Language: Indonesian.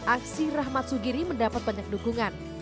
aksi rahmat sugiri mendapat banyak dukungan